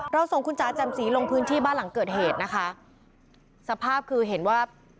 ส่งคุณจ๋าแจ่มสีลงพื้นที่บ้านหลังเกิดเหตุนะคะสภาพคือเห็นว่า